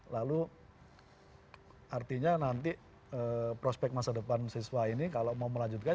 lalu artinya nanti prospek masa depan siswa ini kalau mau melanjutkan